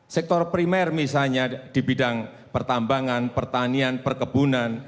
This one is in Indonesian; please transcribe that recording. sektor primer misalnya di bidang pertambangan pertanian perkebunan